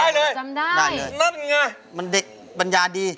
ได้เลยยนัดยังไงมันเด็กบรรยาดี